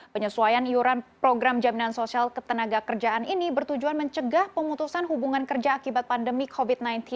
penyesuaian iuran program jaminan sosial ketenaga kerjaan ini bertujuan mencegah pemutusan hubungan kerja akibat pandemi covid sembilan belas